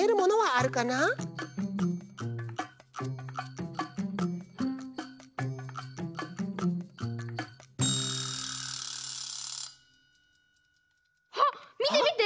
あっみてみて！